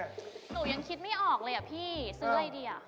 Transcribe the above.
หนูยังคิดไม่ออกเลยอะพี่ซื้ออะไรดีอ่ะ